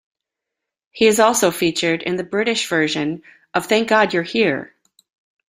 He has also featured in the British version of "Thank God You're Here".